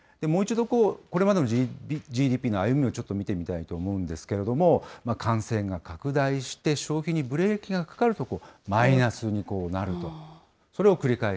もう一度、これまでのＧＤＰの歩みをちょっと見てみたいと思うんですけれども、感染が拡大して、消費にブレーキがかかるとマイナスになると。